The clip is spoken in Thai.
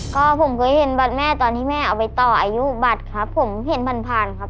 ก็ผมเคยเห็นบัตรแม่ตอนที่แม่เอาไปต่ออายุบัตรครับผมเห็นผ่านผ่านครับ